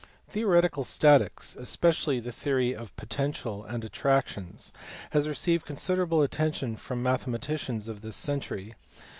Theoretical Statics, especially the theory of the potential and attractions has received considerable attention from the mathematicians of this century.